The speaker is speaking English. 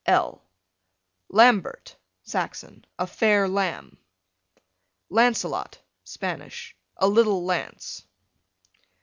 L Lambert, Saxon, a fair lamb. Lancelot, Spanish, a little lance.